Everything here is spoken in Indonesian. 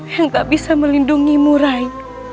yang tak bisa melindungimu rai